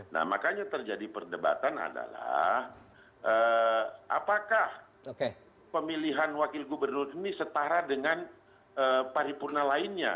nah makanya terjadi perdebatan adalah apakah pemilihan wakil gubernur ini setara dengan paripurna lainnya